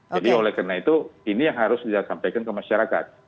jadi oleh karena itu ini yang harus disampaikan ke masyarakat